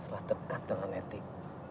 setelah dekat dengan etik